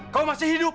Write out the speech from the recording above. kau masih hidup